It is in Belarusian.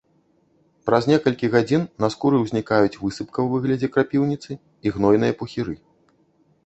Праз некалькі гадзін на скуры ўзнікаюць высыпка ў выглядзе крапіўніцы і гнойныя пухіры.